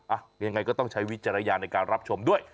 ยังไงก็ต้องใช้วิจารณญาณในการรับชมด้วย